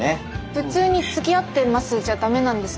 普通につきあってますじゃダメなんですか？